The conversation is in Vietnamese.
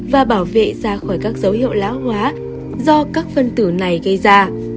và bảo vệ ra khỏi các dấu hiệu lão hóa do các phân tử này gây ra